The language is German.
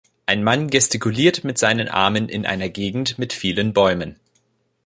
Ein Mann gestikuliert mit seinen Armen in einer Gegend mit vielen Bäumen.